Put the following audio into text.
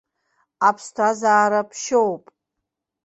Аԥсҭазаара ԥшьоуп.